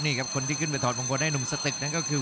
นี่ครับคนที่ขึ้นไปถอดมงคลให้หนุ่มสตึกนั้นก็คือ